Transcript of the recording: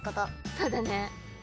そうだね。